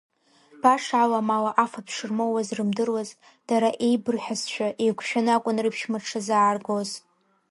Баша аламала афатә шырмоуаз рымдыруаз, дара еибырҳәазшәа еиқәшәаны акәын рыԥшәма дшазааргоз.